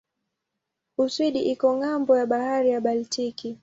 Uswidi iko ng'ambo ya bahari ya Baltiki.